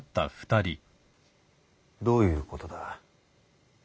どういうことだ？